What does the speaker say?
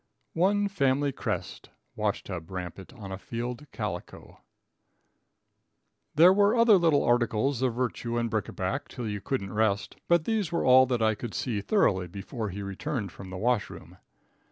1 Family Crest (wash tub rampant on a field calico). [Illustration: HE IS NIX BONUM.] There were other little articles of virtu and bric a brac till you couldn't rest, but these were all that I could see thoroughly before he returned from the wash room.